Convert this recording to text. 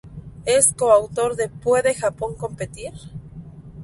Es co-autor de "Puede Japón competir?